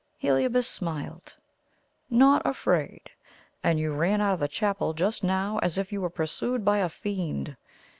Heliobas smiled. "Not afraid! And you ran out of the chapel just now as if you were pursued by a fiend!